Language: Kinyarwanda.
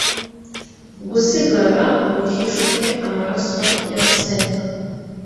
gusigara guhishwe amaso y'abasenga.